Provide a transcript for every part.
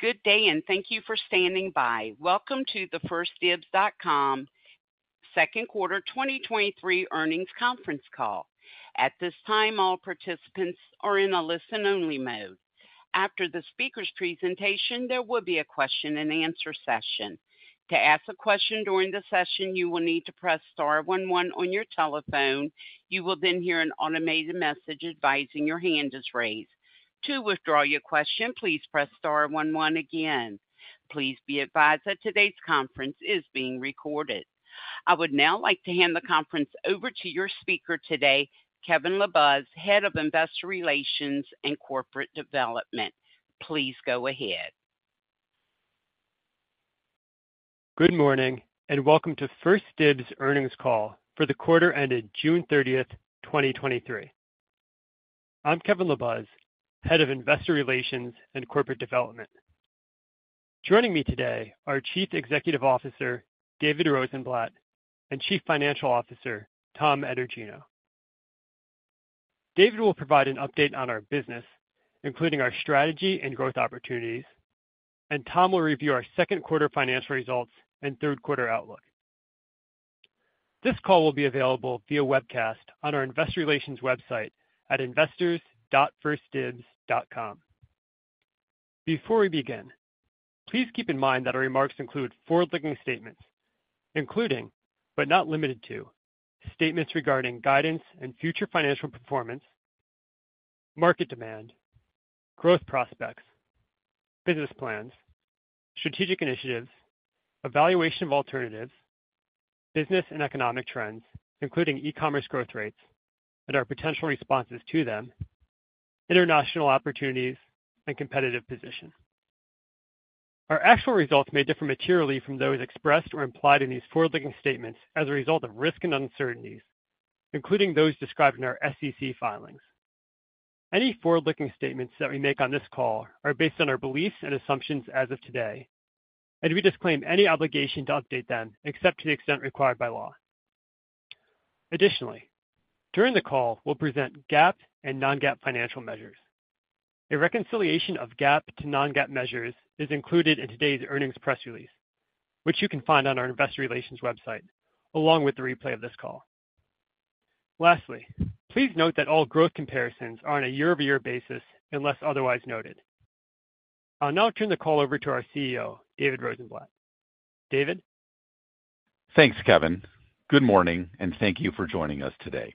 Good day, and thank you for standing by. Welcome to the 1stDibs.com Second Quarter 2023 Earnings Conference Call. At this time, all participants are in a listen-only mode. After the speaker's presentation, there will be a question-and-answer session. To ask a question during the session, you will need to press star 11 on your telephone. You will then hear an automated message advising your hand is raised. To withdraw your question, please press star 11 again. Please be advised that today's conference is being recorded. I would now like to hand the conference over to your speaker today, Kevin LaBuz; Head of Investor Relations & Corporate Development. Please go ahead. Good morning, welcome to 1stDibs Earnings Call for the quarter ended June 30th, 2023. I'm Kevin LaBuz; Head of Investor Relations and Corporate Development. Joining me today are Chief Executive Officer; David Rosenblatt, and Chief Financial Officer; Tom Etergino. David will provide an update on our business, including our strategy and growth opportunities, Tom will review our second quarter financial results and third quarter outlook. This call will be available via webcast on our investor relations website at investors.1stdibs.com. Before we begin, please keep in mind that our remarks include forward-looking statements, including, but not limited to, statements regarding guidance and future financial performance, market demand, growth prospects, business plans, strategic initiatives, evaluation of alternatives, business and economic trends, including e-commerce growth rates and our potential responses to them, international opportunities and competitive position. Our actual results may differ materially from those expressed or implied in these forward-looking statements as a result of risks and uncertainties, including those described in our SEC filings. Any forward-looking statements that we make on this call are based on our beliefs and assumptions as of today, and we disclaim any obligation to update them except to the extent required by law. Additionally, during the call, we'll present GAAP and non-GAAP financial measures. A reconciliation of GAAP to non-GAAP measures is included in today's earnings press release, which you can find on our investor relations website, along with the replay of this call. Lastly, please note that all growth comparisons are on a year-over-year basis, unless otherwise noted. I'll now turn the call over to our CEO; David Rosenblatt. David? Thanks, Kevin. Good morning, thank you for joining us today.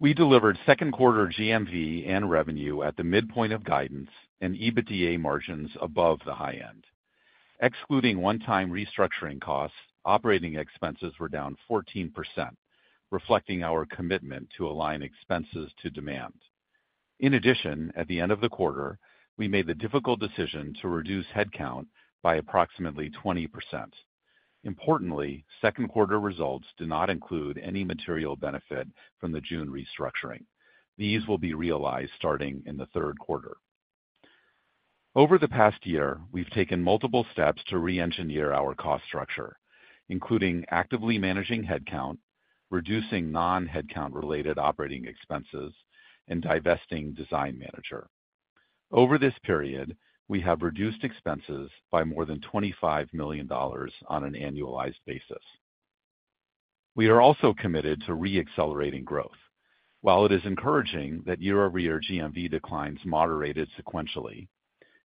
We delivered second quarter GMV and revenue at the midpoint of guidance and EBITDA margins above the high end. Excluding one-time restructuring costs, operating expenses were down 14%, reflecting our commitment to align expenses to demand. In addition, at the end of the quarter, we made the difficult decision to reduce headcount by approximately 20%. Importantly, second quarter results do not include any material benefit from the June restructuring. These will be realized starting in the third quarter. Over the past year, we've taken multiple steps to re-engineer our cost structure, including actively managing headcount, reducing non-headcount related operating expenses, and divesting Design Manager. Over this period, we have reduced expenses by more than $25 million on an annualized basis. We are also committed to re-accelerating growth. While it is encouraging that year-over-year GMV declines moderated sequentially,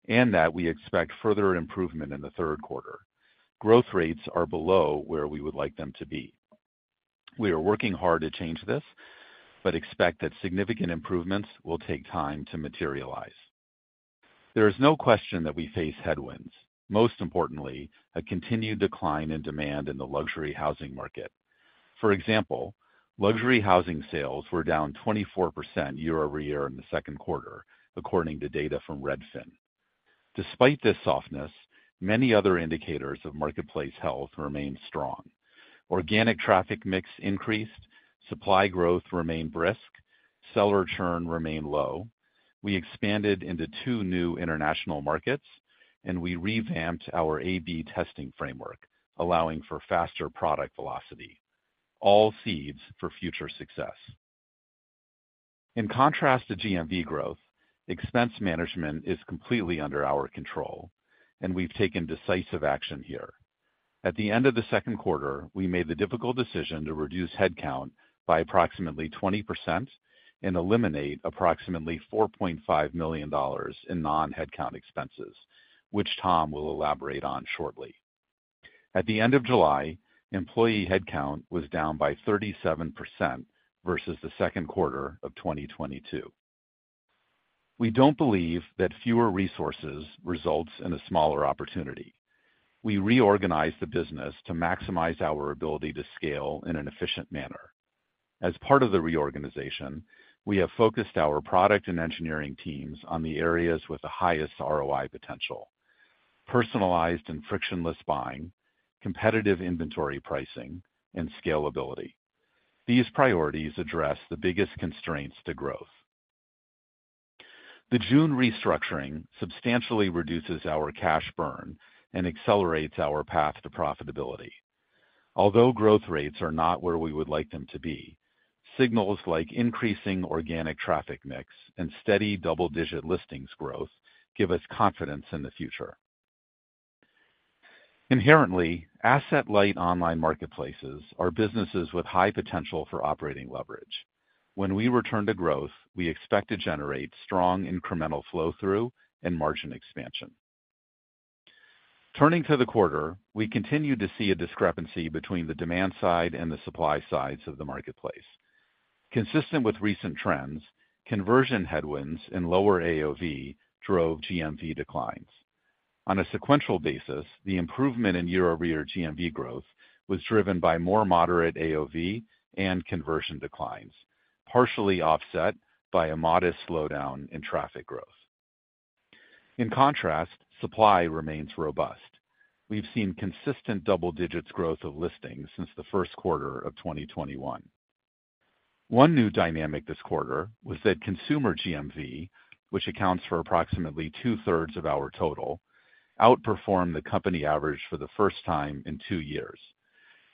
and that we expect further improvement in the third quarter, growth rates are below where we would like them to be. We are working hard to change this, but expect that significant improvements will take time to materialize. There is no question that we face headwinds, most importantly, a continued decline in demand in the luxury housing market. For example, luxury housing sales were down 24% year over year in the second quarter, according to data from Redfin. Despite this softness, many other indicators of marketplace health remain strong. Organic traffic mix increased, supply growth remained brisk, seller churn remained low, we expanded into two new international markets, and we revamped our A/B testing framework, allowing for faster product velocity, all seeds for future success. In contrast to GMV growth, expense management is completely under our control, and we've taken decisive action here. At the end of the second quarter, we made the difficult decision to reduce headcount by approximately 20% and eliminate approximately $4.5 million in non-headcount expenses, which Tom will elaborate on shortly. At the end of July, employee headcount was down by 37% versus the second quarter of 2022. We don't believe that fewer resources results in a smaller opportunity. We reorganized the business to maximize our ability to scale in an efficient manner. As part of the reorganization, we have focused our product and engineering teams on the areas with the highest ROI potential: personalized and frictionless buying, competitive inventory pricing, and scalability. These priorities address the biggest constraints to growth. The June restructuring substantially reduces our cash burn and accelerates our path to profitability. Although growth rates are not where we would like them to be, signals like increasing organic traffic mix and steady double-digit listings growth give us confidence in the future. Inherently, asset-light online marketplaces are businesses with high potential for operating leverage. When we return to growth, we expect to generate strong incremental flow-through and margin expansion. Turning to the quarter, we continued to see a discrepancy between the demand side and the supply sides of the marketplace. Consistent with recent trends, conversion headwinds and lower AOV drove GMV declines. On a sequential basis, the improvement in year-over-year GMV growth was driven by more moderate AOV and conversion declines, partially offset by a modest slowdown in traffic growth. In contrast, supply remains robust. We've seen consistent double-digit growth of listings since the first quarter of 2021. One new dynamic this quarter was that consumer GMV, which accounts for approximately two-thirds of our total, outperformed the company average for the first time in two years.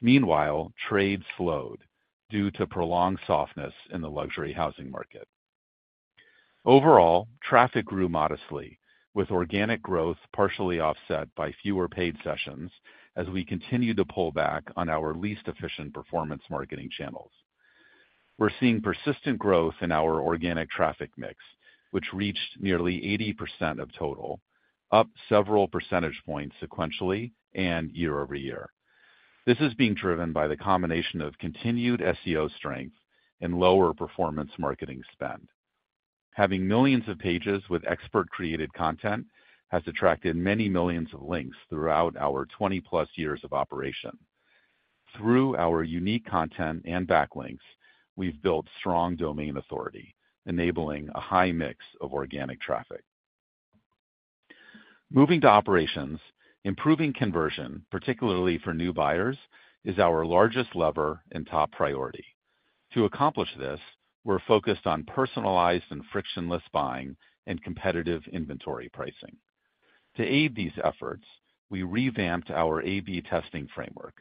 Meanwhile, trades slowed due to prolonged softness in the luxury housing market. Overall, traffic grew modestly, with organic growth partially offset by fewer paid sessions as we continued to pull back on our least efficient performance marketing channels. We're seeing persistent growth in our organic traffic mix, which reached nearly 80% of total, up several percentage points sequentially and year-over-year. This is being driven by the combination of continued SEO strength and lower performance marketing spend. Having millions of pages with expert-created content has attracted many millions of links throughout our 20+ years of operation. Through our unique content and backlinks, we've built strong domain authority, enabling a high mix of organic traffic. Moving to operations, improving conversion, particularly for new buyers, is our largest lever and top priority. To accomplish this, we're focused on personalized and frictionless buying and competitive inventory pricing. To aid these efforts, we revamped our A/B testing framework,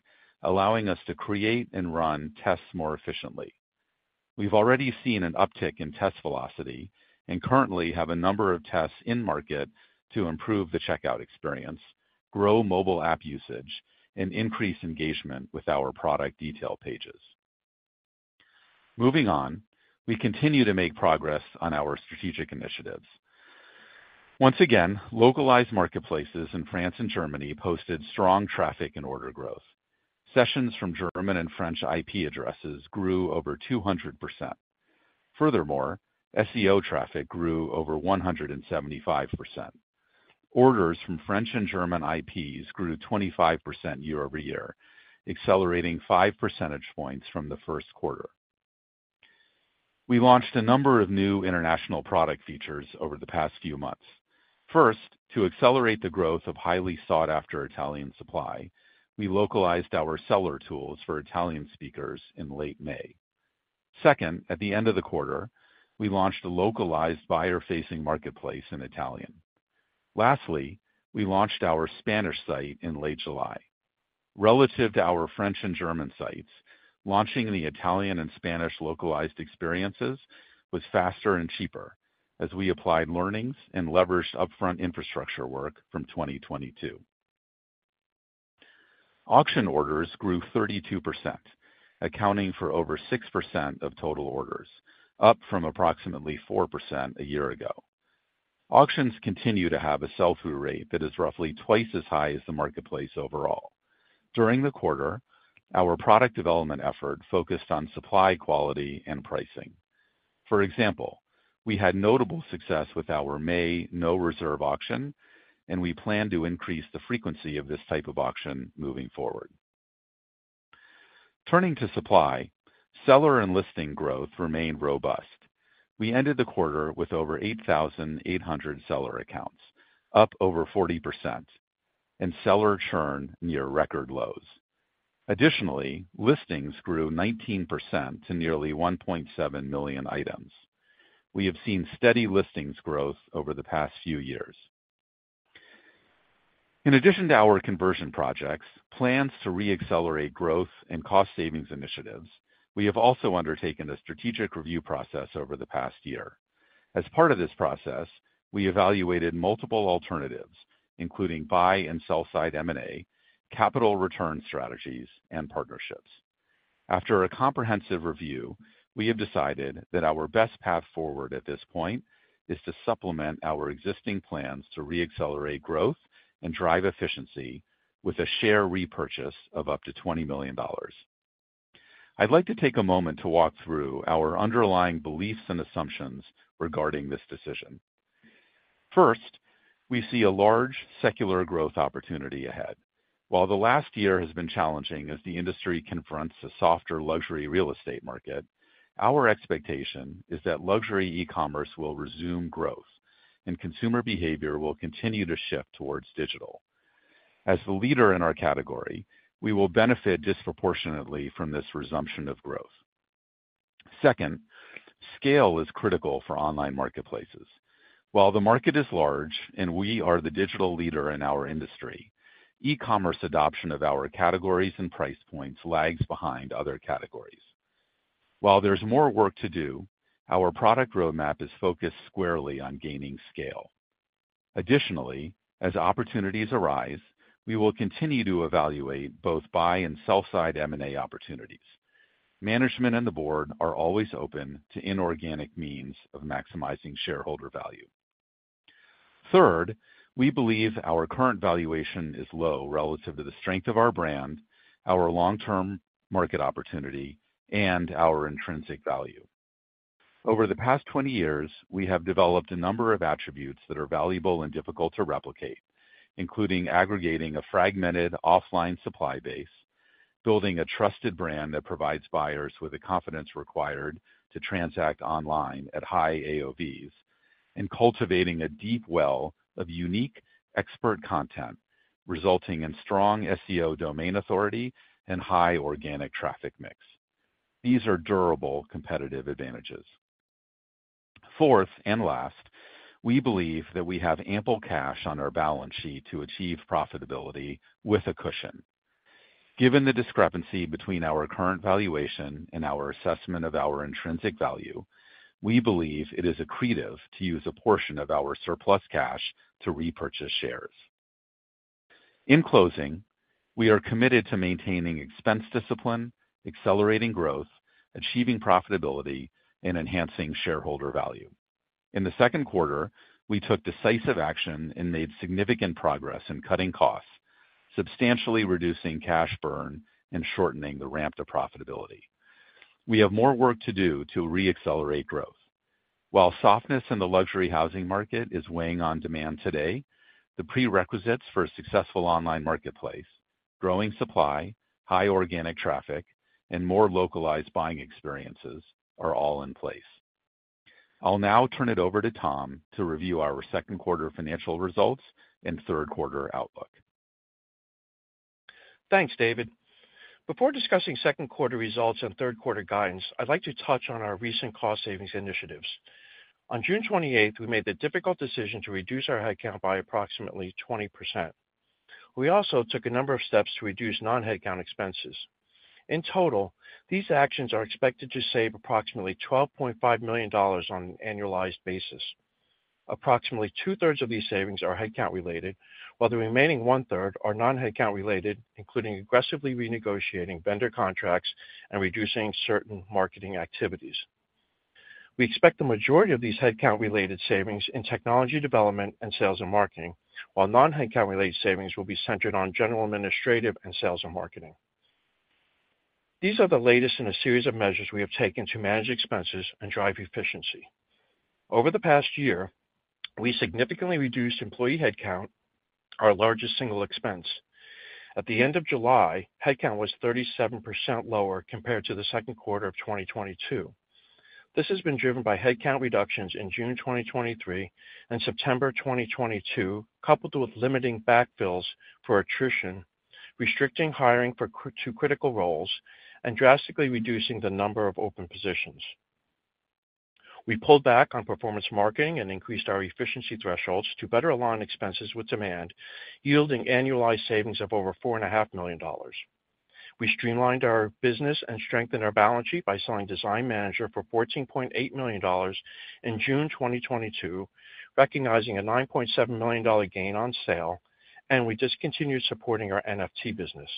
allowing us to create and run tests more efficiently. We've already seen an uptick in test velocity and currently have a number of tests in market to improve the checkout experience, grow mobile app usage, and increase engagement with our product detail pages. Moving on, we continue to make progress on our strategic initiatives. Once again, localized marketplaces in France and Germany posted strong traffic and order growth. Sessions from German and French IP addresses grew over 200%. SEO traffic grew over 175%. Orders from French and German IPs grew 25% year-over-year, accelerating five percentage points from the first quarter. We launched a number of new international product features over the past few months. First, to accelerate the growth of highly sought-after Italian supply, we localized our seller tools for Italian speakers in late May. Second, at the end of the quarter, we launched a localized buyer-facing marketplace in Italian. Lastly, we launched our Spanish site in late July. Relative to our French and German sites, launching the Italian and Spanish localized experiences was faster and cheaper as we applied learnings and leveraged upfront infrastructure work from 2022. Auction orders grew 32%, accounting for over 6% of total orders, up from approximately 4% a year ago. Auctions continue to have a sell-through rate that is roughly twice as high as the marketplace overall. During the quarter, our product development effort focused on supply quality and pricing. For example, we had notable success with our May no reserve auction, and we plan to increase the frequency of this type of auction moving forward. Turning to supply, seller and listing growth remained robust. We ended the quarter with over 8,800 seller accounts, up over 40%, and seller churn near record lows. Additionally, listings grew 19% to nearly 1.7 million items. We have seen steady listings growth over the past few years. In addition to our conversion projects, plans to reaccelerate growth and cost savings initiatives, we have also undertaken a strategic review process over the past year. As part of this process, we evaluated multiple alternatives, including buy and sell-side M&A, capital return strategies, and partnerships. After a comprehensive review, we have decided that our best path forward at this point is to supplement our existing plans to reaccelerate growth and drive efficiency with a share repurchase of up to $20 million. I'd like to take a moment to walk through our underlying beliefs and assumptions regarding this decision. First, we see a large secular growth opportunity ahead. While the last year has been challenging as the industry confronts a softer luxury real estate market, our expectation is that luxury e-commerce will resume growth and consumer behavior will continue to shift towards digital. As the leader in our category, we will benefit disproportionately from this resumption of growth. Second, scale is critical for online marketplaces. While the market is large and we are the digital leader in our industry, e-commerce adoption of our categories and price points lags behind other categories. While there's more work to do, our product roadmap is focused squarely on gaining scale. Additionally, as opportunities arise, we will continue to evaluate both buy and sell-side M&A opportunities. Management and the board are always open to inorganic means of maximizing shareholder value. Third, we believe our current valuation is low relative to the strength of our brand, our long-term market opportunity, and our intrinsic value. Over the past 20 years, we have developed a number of attributes that are valuable and difficult to replicate, including aggregating a fragmented offline supply base, building a trusted brand that provides buyers with the confidence required to transact online at high AOVs, and cultivating a deep well of unique expert content, resulting in strong SEO domain authority and high organic traffic mix. These are durable, competitive advantages. Fourth and last, we believe that we have ample cash on our balance sheet to achieve profitability with a cushion. Given the discrepancy between our current valuation and our assessment of our intrinsic value, we believe it is accretive to use a portion of our surplus cash to repurchase shares. In closing, we are committed to maintaining expense discipline, accelerating growth, achieving profitability, and enhancing shareholder value. In the second quarter, we took decisive action and made significant progress in cutting costs, substantially reducing cash burn, and shortening the ramp to profitability. We have more work to do to re-accelerate growth. While softness in the luxury housing market is weighing on demand today, the prerequisites for a successful online marketplace, growing supply, high organic traffic, and more localized buying experiences, are all in place. I'll now turn it over to Tom to review our second quarter financial results and third quarter outlook. Thanks, David. Before discussing second quarter results and third quarter guidance, I'd like to touch on our recent cost savings initiatives. On June 28th, we made the difficult decision to reduce our headcount by approximately 20%. We also took a number of steps to reduce non-headcount expenses. In total, these actions are expected to save approximately $12.5 million on an annualized basis. Approximately two-thirds of these savings are headcount related, while the remaining one-third are non-headcount related, including aggressively renegotiating vendor contracts and reducing certain marketing activities. We expect the majority of these headcount-related savings in technology development and sales and marketing, while non-headcount-related savings will be centered on general, administrative, and sales and marketing. These are the latest in a series of measures we have taken to manage expenses and drive efficiency. Over the past year, we significantly reduced employee headcount, our largest single expense. At the end of July, headcount was 37% lower compared to the second quarter of 2022. This has been driven by headcount reductions in June 2023 and September 2022, coupled with limiting backfills for attrition, restricting hiring to critical roles, and drastically reducing the number of open positions. We pulled back on performance marketing and increased our efficiency thresholds to better align expenses with demand, yielding annualized savings of over $4.5 million. We streamlined our business and strengthened our balance sheet by selling Design Manager for $14.8 million in June 2022, recognizing a $9.7 million gain on sale. We discontinued supporting our NFT business.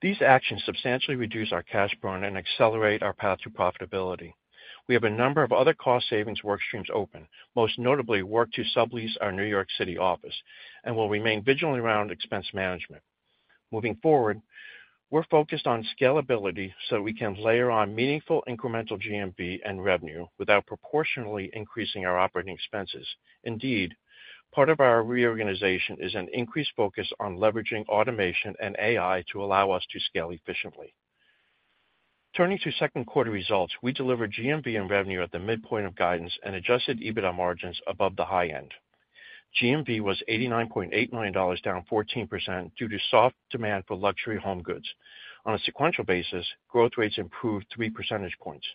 These actions substantially reduce our cash burn and accelerate our path to profitability. We have a number of other cost savings work streams open, most notably work to sublease our New York City office and will remain vigilant around expense management. Moving forward, we're focused on scalability so we can layer on meaningful incremental GMV and revenue without proportionally increasing our operating expenses. Indeed, part of our reorganization is an increased focus on leveraging automation and AI to allow us to scale efficiently. Turning to second quarter results, we delivered GMV and revenue at the midpoint of guidance and adjusted EBITDA margins above the high end. GMV was $89.8 million, down 14% due to soft demand for luxury home goods. On a sequential basis, growth rates improved three percentage points.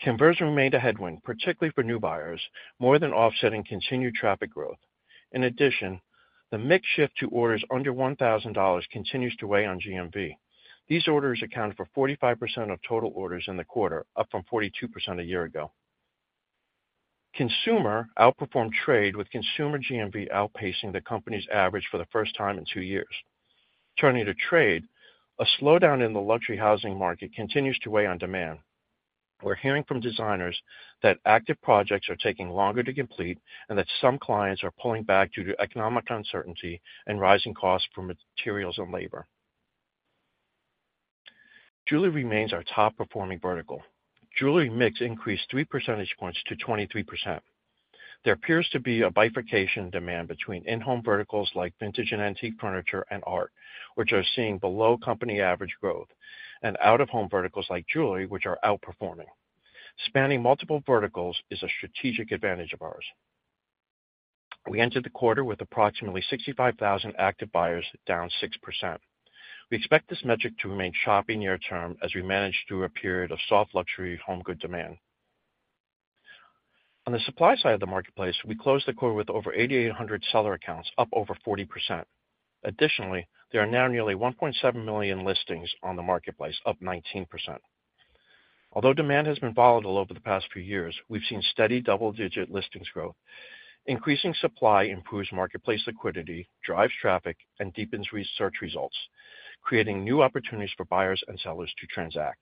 Conversion remained a headwind, particularly for new buyers, more than offsetting continued traffic growth. In addition, the mix shift to orders under $1,000 continues to weigh on GMV. These orders accounted for 45% of total orders in the quarter, up from 42% a year ago. Consumer outperformed trade, with consumer GMV outpacing the company's average for the first time in 2 years. Turning to trade, a slowdown in the luxury housing market continues to weigh on demand. We're hearing from designers that active projects are taking longer to complete and that some clients are pulling back due to economic uncertainty and rising costs for materials and labor. Jewelry remains our top-performing vertical. Jewelry mix increased 3 percentage points to 23%. There appears to be a bifurcation in demand between in-home verticals like vintage and antique furniture and art, which are seeing below company average growth, and out-of-home verticals like jewelry, which are outperforming. Spanning multiple verticals is a strategic advantage of ours. We ended the quarter with approximately 65,000 active buyers, down 6%. We expect this metric to remain choppy near term as we manage through a period of soft luxury home good demand. On the supply side of the marketplace, we closed the quarter with over 8,800 seller accounts, up over 40%. Additionally, there are now nearly 1.7 million listings on the marketplace, up 19%. Although demand has been volatile over the past few years, we've seen steady double-digit listings growth. Increasing supply improves marketplace liquidity, drives traffic, and deepens research results, creating new opportunities for buyers and sellers to transact.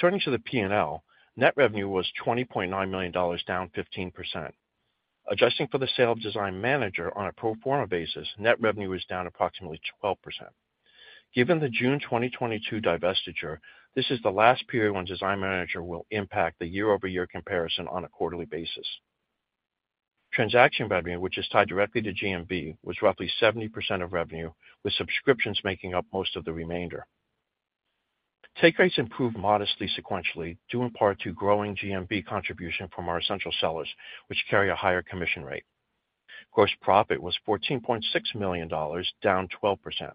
Turning to the P&L, net revenue was $20.9 million, down 15%. Adjusting for the sale of Design Manager on a pro forma basis, net revenue is down approximately 12%. Given the June 2022 divestiture, this is the last period when Design Manager will impact the year-over-year comparison on a quarterly basis. Transaction revenue, which is tied directly to GMV, was roughly 70% of revenue, with subscriptions making up most of the remainder. Take rates improved modestly sequentially, due in part to growing GMV contribution from our essential sellers, which carry a higher commission rate. Gross profit was $14.6 million, down 12%.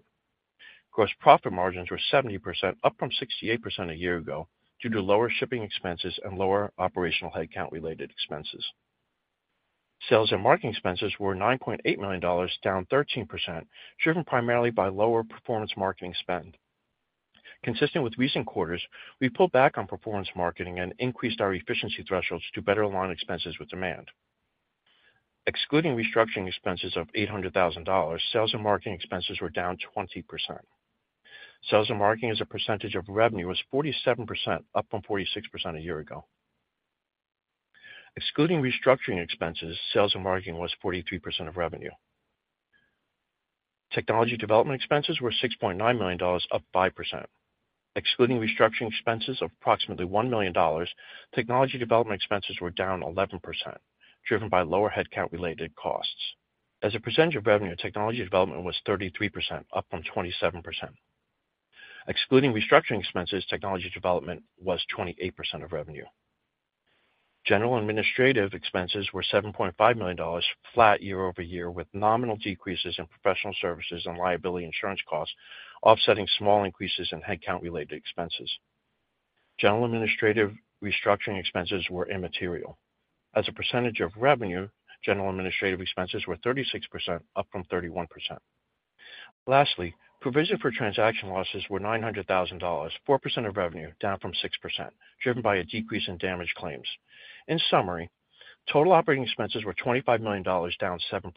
Gross profit margins were 70%, up from 68% a year ago, due to lower shipping expenses and lower operational headcount-related expenses. Sales and marketing expenses were $9.8 million, down 13%, driven primarily by lower performance marketing spend. Consistent with recent quarters, we pulled back on performance marketing and increased our efficiency thresholds to better align expenses with demand. Excluding restructuring expenses of $800,000, sales and marketing expenses were down 20%. Sales and marketing as a percentage of revenue was 47%, up from 46% a year ago. Excluding restructuring expenses, sales and marketing was 43% of revenue. Technology development expenses were $6.9 million, up 5%. Excluding restructuring expenses of approximately $1 million, technology development expenses were down 11%, driven by lower headcount-related costs. As a percentage of revenue, technology development was 33%, up from 27%. Excluding restructuring expenses, technology development was 28% of revenue. General and administrative expenses were $7.5 million, flat year-over-year, with nominal decreases in professional services and liability insurance costs, offsetting small increases in headcount-related expenses. General administrative restructuring expenses were immaterial. As a percentage of revenue, general administrative expenses were 36%, up from 31%. Lastly, provision for transaction losses were $900,000, 4% of revenue, down from 6%, driven by a decrease in damage claims. In summary, total operating expenses were $25 million, down 7%.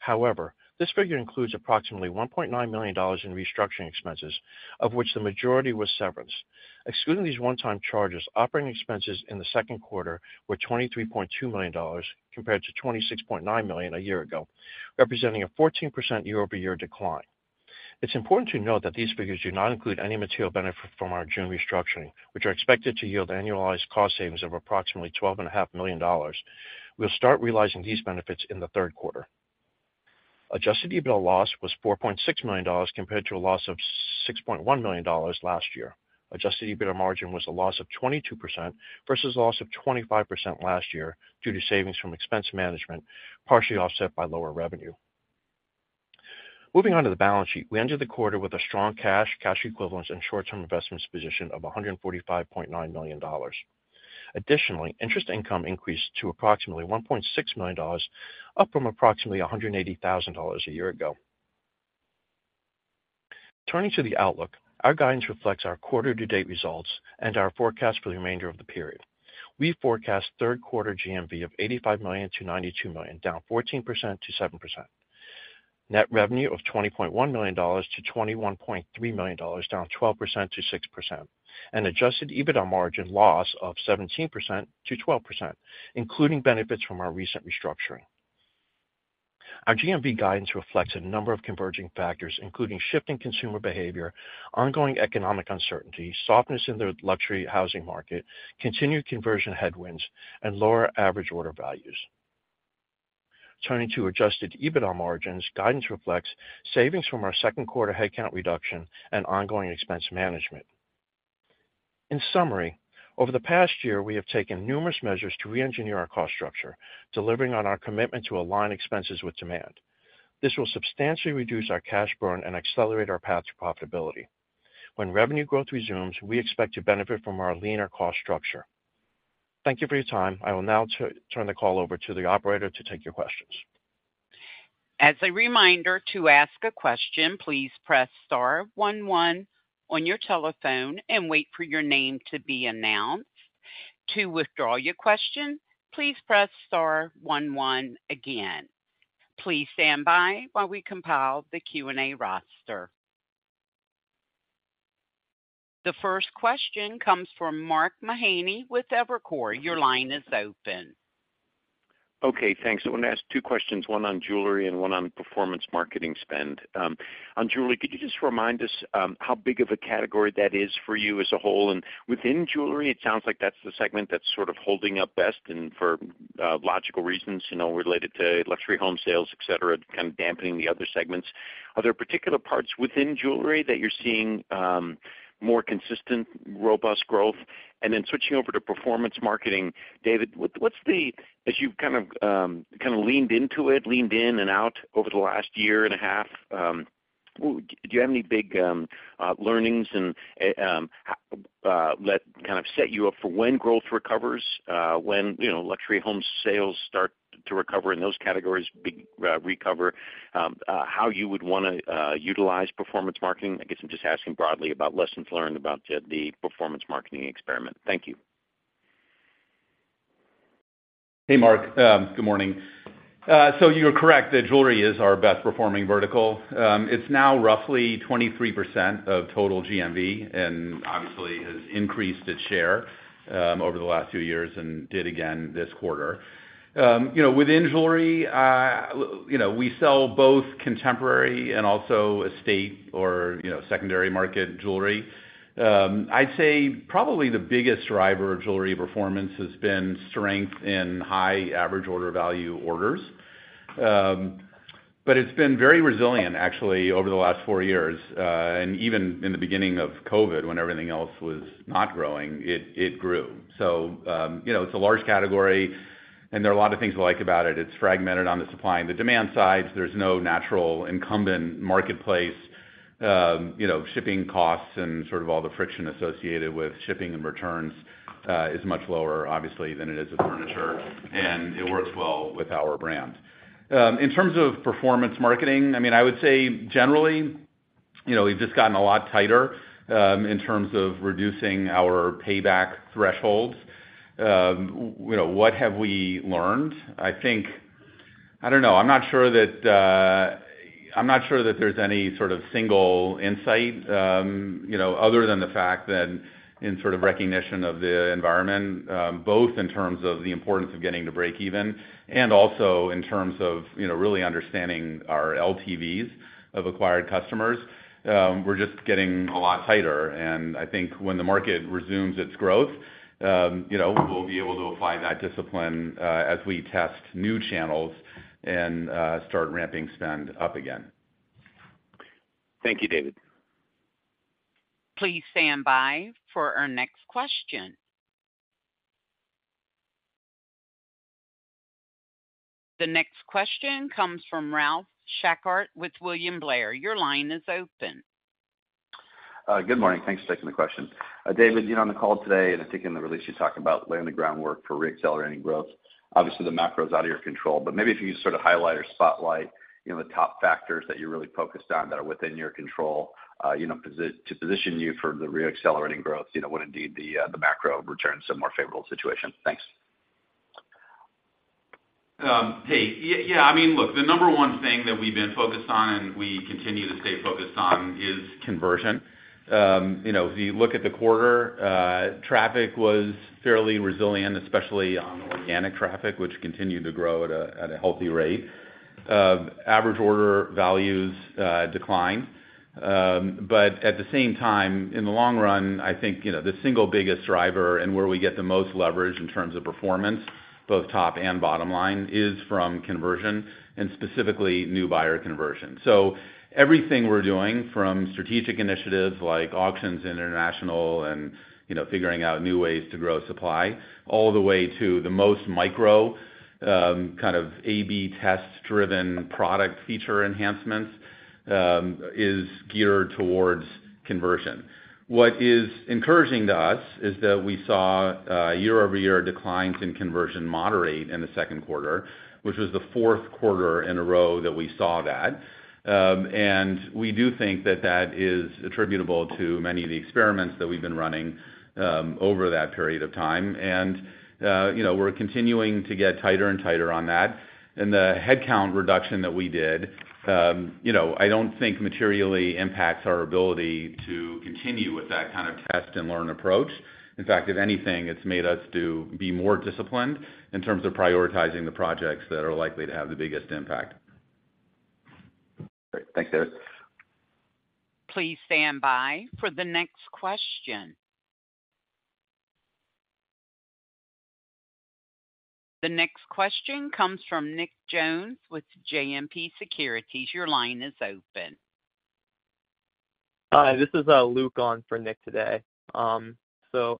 However, this figure includes approximately $1.9 million in restructuring expenses, of which the majority was severance. Excluding these one-time charges, operating expenses in the second quarter were $23.2 million, compared to $26.9 million a year ago, representing a 14% year-over-year decline. It's important to note that these figures do not include any material benefit from our June restructuring, which are expected to yield annualized cost savings of approximately $12.5 million. We'll start realizing these benefits in the third quarter. Adjusted EBITDA loss was $4.6 million, compared to a loss of $6.1 million last year. Adjusted EBITDA margin was a loss of 22% versus a loss of 25% last year due to savings from expense management, partially offset by lower revenue. Moving on to the balance sheet, we ended the quarter with a strong cash, cash equivalents, and short-term investments position of $145.9 million. Additionally, interest income increased to approximately $1.6 million, up from approximately $180,000 a year ago. Turning to the outlook, our guidance reflects our quarter-to-date results and our forecast for the remainder of the period. We forecast third quarter GMV of $85 million-$92 million, down 14%-7%. Net revenue of $20.1-21.3 million, down 12%-6%, and adjusted EBITDA margin loss of 17%-12%, including benefits from our recent restructuring. Our GMV guidance reflects a number of converging factors, including shifting consumer behavior, ongoing economic uncertainty, softness in the luxury housing market, continued conversion headwinds, and lower average order values. Turning to adjusted EBITDA margins, guidance reflects savings from our second quarter headcount reduction and ongoing expense management. In summary, over the past year, we have taken numerous measures to reengineer our cost structure, delivering on our commitment to align expenses with demand. This will substantially reduce our cash burn and accelerate our path to profitability. When revenue growth resumes, we expect to benefit from our leaner cost structure. Thank you for your time. I will now turn the call over to the operator to take your questions. As a reminder, to ask a question, please press star 11 on your telephone and wait for your name to be announced. To withdraw your question, please press star 11 again. Please stand by while we compile the Q&A roster. The first question comes from Mark Mahaney with Evercore. Your line is open. Okay, thanks. I want to ask two questions, one on jewelry and one on performance marketing spend. On jewelry, could you just remind us how big of a category that is for you as a whole? Within jewelry, it sounds like that's the segment that's sort of holding up best and for logical reasons, you know, related to luxury home sales, et cetera, kind of dampening the other segments. Are there particular parts within jewelry that you're seeing more consistent, robust growth? Then switching over to performance marketing, David, what, as you've kind of leaned into it, leaned in and out over the last year and a half. Well, do, you have any big learnings and that kind of set you up for when growth recovers, when, you know, luxury home sales start to recover, those categories recover, how you would want to utilize performance marketing? I guess I'm just asking broadly about lessons learned about the, the performance marketing experiment. Thank you. Hey, Mark, good morning. You're correct, the jewelry is our best performing vertical. It's now roughly 23% of total GMV, and obviously, has increased its share over the last two years and did again this quarter. You know, within jewelry, you know, we sell both contemporary and also estate or, you know, secondary market jewelry. I'd say probably the biggest driver of jewelry performance has been strength in high average order value orders. But it's been very resilient actually, over the last four years, and even in the beginning of COVID, when everything else was not growing, it grew. You know, it's a large category, and there are a lot of things we like about it. It's fragmented on the supply and the demand sides. There's no natural incumbent marketplace, you know, shipping costs and sort of all the friction associated with shipping and returns, is much lower, obviously, than it is with furniture, and it works well with our brand. In terms of performance marketing, I mean, I would say generally, you know, we've just gotten a lot tighter, in terms of reducing our payback thresholds. You know, what have we learned? I don't know. I'm not sure that, I'm not sure that there's any sort of single insight, you know, other than the fact that in sort of recognition of the environment, both in terms of the importance of getting to breakeven, and also in terms of, you know, really understanding our LTVs of acquired customers, we're just getting a lot tighter. I think when the market resumes its growth, you know, we'll be able to apply that discipline, as we test new channels and, start ramping spend up again. Thank you, David. Please stand by for our next question. The next question comes from Ralph Schackart with William Blair. Your line is open. Good morning. Thanks for taking the question. David, you're on the call today, and I think in the release, you talked about laying the groundwork for reaccelerating growth. Obviously, the macro is out of your control, but maybe if you sort of highlight or spotlight, you know, the top factors that you're really focused on that are within your control, you know, to position you for the reaccelerating growth, you know, when indeed the macro returns some more favorable situation. Thanks. Yeah. I mean, look, the number one thing that we've been focused on, and we continue to stay focused on, is conversion. You know, if you look at the quarter, traffic was fairly resilient, especially on organic traffic, which continued to grow at a healthy rate. Average order values declined, but at the same time, in the long run, I think, you know, the single biggest driver and where we get the most leverage in terms of performance, both top and bottom line, is from conversion and specifically, new buyer conversion. Everything we're doing, from strategic initiatives like auctions international and, you know, figuring out new ways to grow supply, all the way to the most micro, kind of A/B test-driven product feature enhancements, is geared towards conversion. What is encouraging to us is that we saw a year-over-year declines in conversion moderate in the second quarter, which was the fourth quarter in a row that we saw that. We do think that that is attributable to many of the experiments that we've been running over that period of time. You know, we're continuing to get tighter and tighter on that. The headcount reduction that we did, you know, I don't think materially impacts our ability to continue with that kind of test and learn approach. In fact, if anything, it's made us to be more disciplined in terms of prioritizing the projects that are likely to have the biggest impact. Great. Thanks, David. Please stand by for the next question. The next question comes from Nick Jones with JMP Securities. Your line is open. Hi, this is Luke on for Nick today.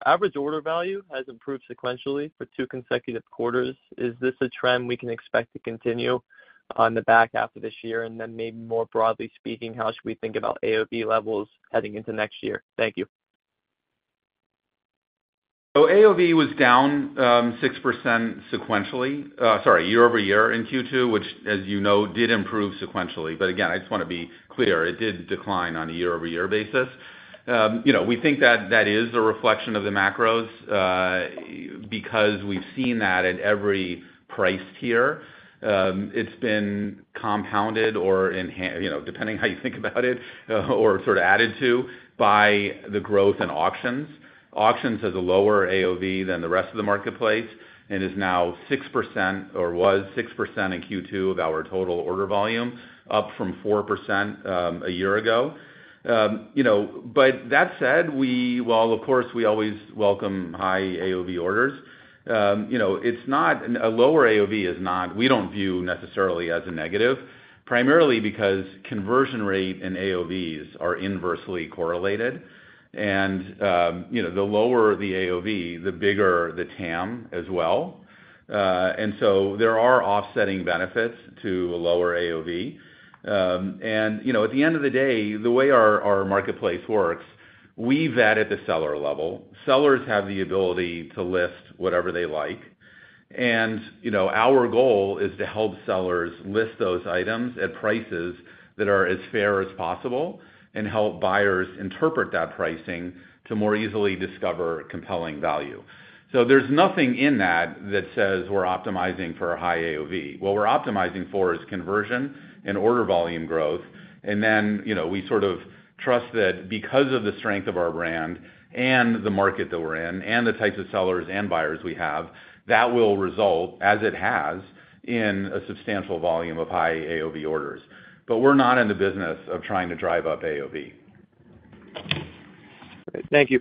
Average order value has improved sequentially for two consecutive quarters. Is this a trend we can expect to continue on the back half of this year? Maybe more broadly speaking, how should we think about AOV levels heading into next year? Thank you. AOV was down 6% sequentially, sorry, year-over-year in Q2, which, as you know, did improve sequentially. Again, I just want to be clear, it did decline on a year-over-year basis. You know, we think that that is a reflection of the macros because we've seen that at every price tier. It's been compounded or enhanced, you know, depending how you think about it, or sort of added to, by the growth in auctions. Auctions has a lower AOV than the rest of the marketplace and is now 6% or was 6% in Q2 of our total order volume, up from 4% a year ago. You know, but that said, while, of course, we always welcome high AOV orders, you know, a lower AOV we don't view necessarily as a negative, primarily because conversion rate and AOVs are inversely correlated. You know, the lower the AOV, the bigger the TAM as well. So there are offsetting benefits to a lower AOV. You know, at the end of the day, the way our, our marketplace works, we've added the seller level. Sellers have the ability to list whatever they like.... You know, our goal is to help sellers list those items at prices that are as fair as possible and help buyers interpret that pricing to more easily discover compelling value. So there's nothing in that, that says we're optimizing for a high AOV. What we're optimizing for is conversion and order volume growth, and then, you know, we sort of trust that because of the strength of our brand and the market that we're in, and the types of sellers and buyers we have, that will result, as it has, in a substantial volume of high AOV orders. We're not in the business of trying to drive up AOV. Thank you.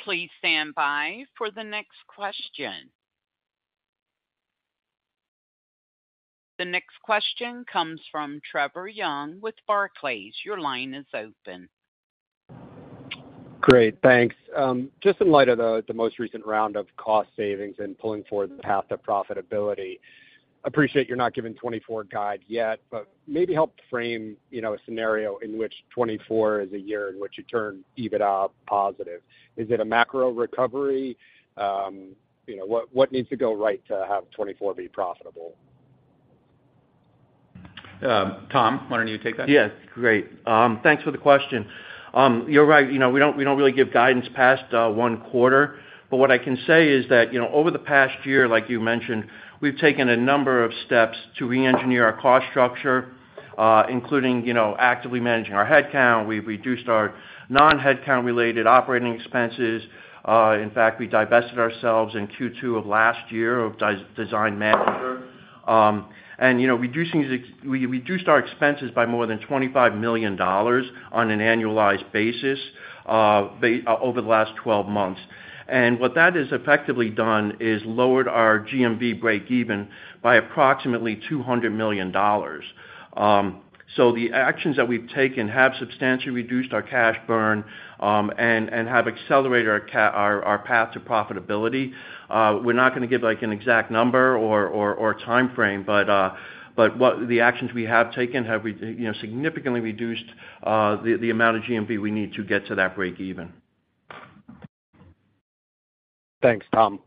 Please stand by for the next question. The next question comes from Trevor Young with Barclays. Your line is open. Great, thanks. Just in light of the, the most recent round of cost savings and pulling forward the path to profitability, appreciate you're not giving 2024 guide yet, but maybe help frame, you know, a scenario in which 2024 is a year in which you turn EBITDA positive. Is it a macro recovery? You know, what, what needs to go right to have 2024 be profitable? Tom, why don't you take that? Yes. Great. Thanks for the question. You're right. You know, we don't, we don't really give guidance past one quarter, but what I can say is that, you know, over the past year, like you mentioned, we've taken a number of steps to reengineer our cost structure, including, you know, actively managing our headcount. We've reduced our non-headcount-related operating expenses. In fact, we divested ourselves in Q2 of last year of Design Manager. You know, we reduced our expenses by more than $25 million on an annualized basis over the last 12 months. What that has effectively done is lowered our GMV breakeven by approximately $200 million. The actions that we've taken have substantially reduced our cash burn and have accelerated our path to profitability. We're not gonna give, like, an exact number or, or, or timeframe, but what the actions we have taken have we, you know, significantly reduced the amount of GMV we need to get to that breakeven. Thanks, Tom.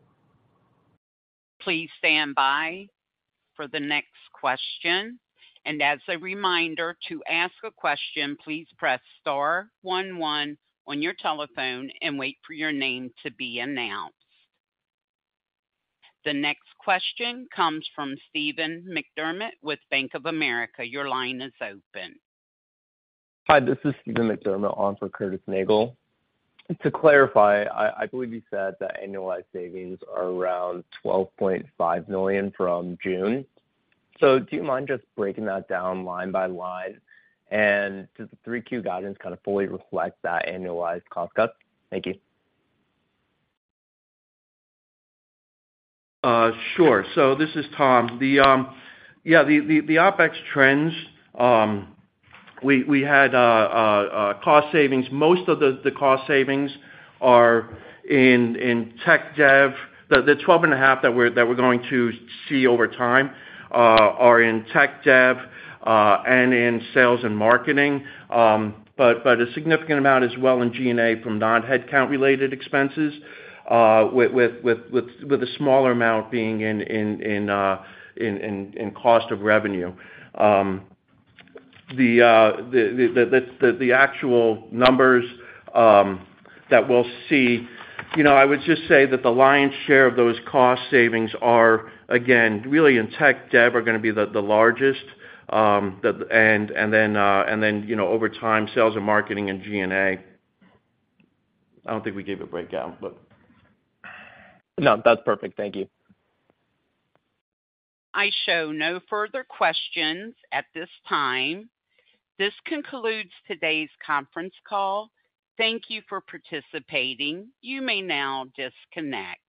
Please stand by for the next question. As a reminder, to ask a question, please press star 11 on your telephone and wait for your name to be announced. The next question comes from Steven McDermott, with Bank of America. Your line is open. Hi, this is Steven McDermott, on for Curtis Nagle. To clarify, I believe you said that annualized savings are around $12.5 million from June. Do you mind just breaking that down line by line, and does the 3Q guidance kind of fully reflect that annualized cost cut? Thank you. Sure. This is Tom. The OpEx trends, we had a cost savings. Most of the cost savings are in tech dev. The 12.5 that we're going to see over time are in tech dev and in sales and marketing. A significant amount as well in G&A from non-headcount-related expenses, with a smaller amount being in cost of revenue. The actual numbers that we'll see, you know, I would just say that the lion's share of those cost savings are, again, really in tech dev, are going to be the largest, and then, you know, over time, sales and marketing and G&A. I don't think we gave a breakdown, but- No, that's perfect. Thank you. I show no further questions at this time. This concludes today's conference call. Thank you for participating. You may now disconnect.